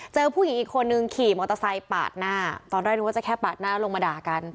ผู้หญิงอีกคนนึงขี่มอเตอร์ไซค์ปาดหน้าตอนแรกนึกว่าจะแค่ปาดหน้าลงมาด่ากัน